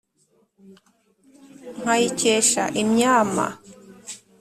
nkayikesha imyama.